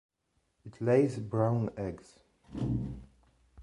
It lays brown eggs.